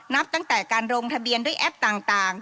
นับตั้งแต่การลงทะเบียนด้วยแอปต่าง